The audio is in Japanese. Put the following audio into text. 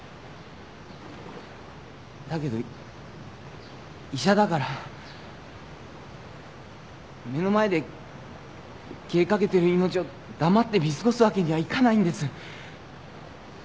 だけど医者だから目の前で消えかけてる命を黙って見過ごすわけにはいかないんです。